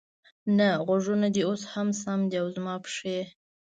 نه، غوږونه دې اوس هم سم دي، او زما پښې؟